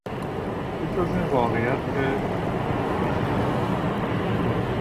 به جز این واقعیت که...، جز این که...